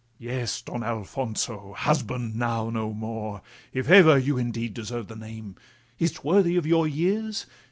'Yes, Don Alfonso! husband now no more, If ever you indeed deserved the name, Is 't worthy of your years?